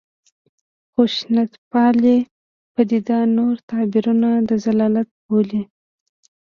خشونتپالې پدیده نور تعبیرونه د ضلالت بولي.